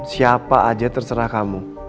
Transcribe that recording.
siapa aja terserah kamu